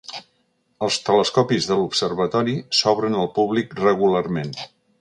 Els telescopis de l'observatori s'obren al públic regularment.